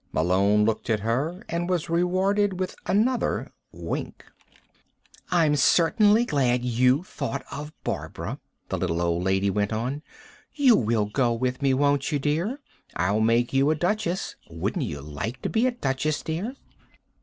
Malone looked at her and was rewarded with another wink. "I'm certainly glad you thought of Barbara," the little old lady went on. "You will go with me won't you, dear? I'll make you a duchess. Wouldn't you like to be a duchess, dear?"